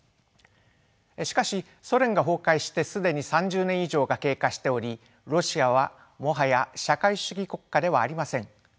しかしソ連が崩壊して既に３０年以上が経過しておりロシアはもはや社会主義国家ではありません。